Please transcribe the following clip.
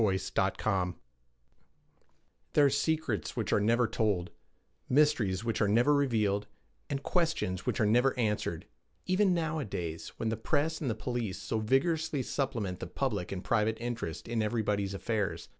ROSITA ELLEN MACKUBIN THERE are secrets which are never told, mysteries which are never revealed, and questions which are never answered, even nowadays, when the press and the police so vigorously supplement the public and private interest in everybody's affairs.